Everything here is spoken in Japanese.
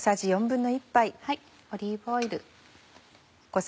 オリーブオイル。